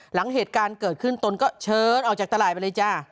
หลังเหตุการณ์เกิดขึ้นตนก็เชิญออกจากตลาดไปเลยจ้า